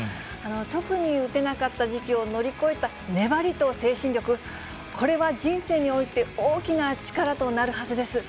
特に打てなかった時期を乗り越えた粘りと精神力、これは人生において大きな力となるはずです。